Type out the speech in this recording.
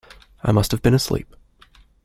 I must have been asleep.